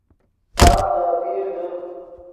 تام دے اپیر دے